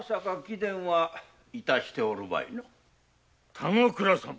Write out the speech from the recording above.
田之倉様。